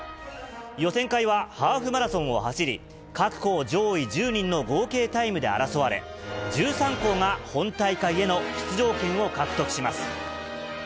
予選会は、ハーフマラソンを走り、各校上位１０人の合計タイムで争われ、１３校が本大会への出場権を獲得します。